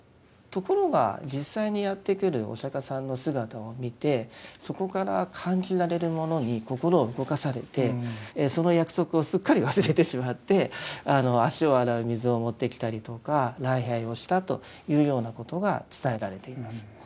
ところが実際にやってくるお釈迦さんの姿を見てそこから感じられるものに心を動かされてその約束をすっかり忘れてしまって足を洗う水を持ってきたりとか礼拝をしたというようなことが伝えられています。